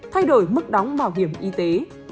thay đổi mức đóng bảo hiểm y tế